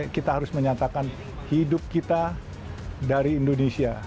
kita harus menyatakan hidup kita dari indonesia